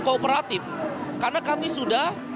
kooperatif karena kami sudah